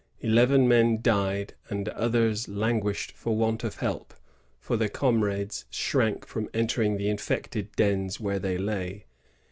Eleven men died ; and others languished for want of help, for their comrades shrank from entering the' infected dens where they lay.